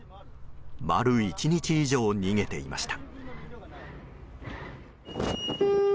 丸１日以上、逃げていました。